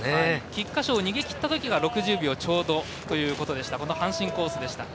菊花賞を逃げきったときは６０秒ちょうどということでした阪神コースでした。